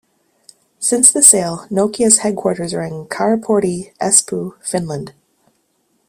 Since the sale, Nokia's headquarters are in Karaportti, Espoo, Finland.